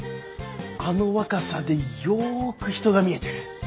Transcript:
あの若さでよく人が見えてる。